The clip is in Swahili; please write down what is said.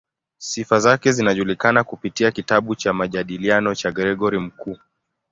Sifa zake zinajulikana kupitia kitabu cha "Majadiliano" cha Gregori Mkuu.